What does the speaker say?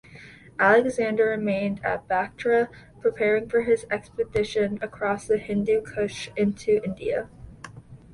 Alexander remained at Bactra, preparing for his expedition across the Hindu-Kush into India.